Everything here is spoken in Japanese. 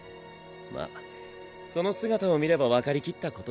まっその姿を見れば分かりきったことだよね。